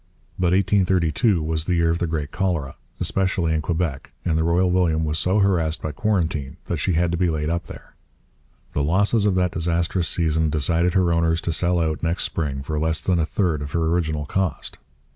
But 1832 was the year of the great cholera, especially in Quebec, and the Royal William was so harassed by quarantine that she had to be laid up there. The losses of that disastrous season decided her owners to sell out next spring for less than a third of her original cost.